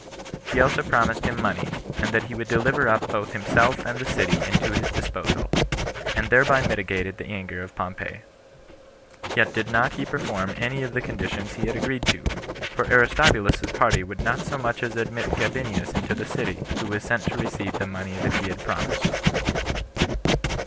He also promised him money, and that he would deliver up both himself and the city into his disposal, and thereby mitigated the anger of Pompey. Yet did not he perform any of the conditions he had agreed to; for Aristobulus's party would not so much as admit Gabinius into the city, who was sent to receive the money that he had promised.